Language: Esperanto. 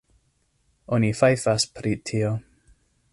Oni fajfas pri tio.